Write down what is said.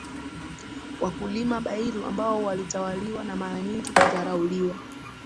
wakulima Bairu ambao walitawaliwa na mara nyingi kudharauliwa